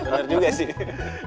bener juga sih